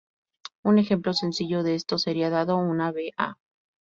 Un ejemplo sencillo de esto sería, dado una v.a.